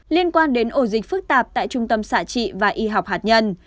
liên quan đến ổ dịch phức tạp tại trung tâm xã trị và y học hạt nhân